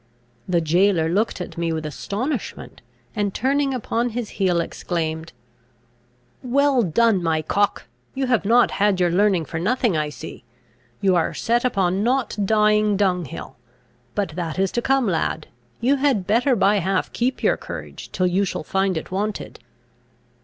The jailor looked at me with astonishment, and turning upon his heel, exclaimed, "Well done, my cock! You have not had your learning for nothing, I see. You are set upon not dying dunghill. But that is to come, lad; you had better by half keep your courage till you shall find it wanted."